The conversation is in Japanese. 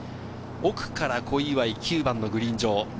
奥から小祝、９番のグリーン上。